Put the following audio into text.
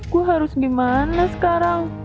gue harus gimana sekarang